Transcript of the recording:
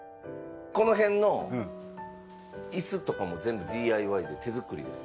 この辺のイスとかも全部ＤＩＹで手作りです。